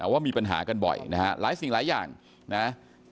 ว่ามีปัญหากันบ่อยนะฮะหลายสิ่งหลายอย่างนะ